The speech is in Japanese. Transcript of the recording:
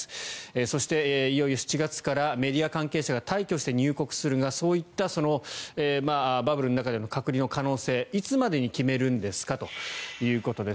そしていよいよ７月からメディア関係者が大挙して入国するがそういったバブルの中での隔離の可能性いつまでに決めるんですかということです。